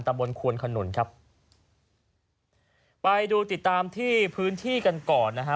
บนควนขนุนครับไปดูติดตามที่พื้นที่กันก่อนนะฮะ